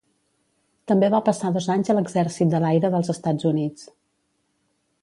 També va passar dos anys a l'Exèrcit de l'Aire dels Estats Units.